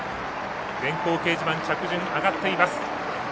電光掲示板着順あがっています。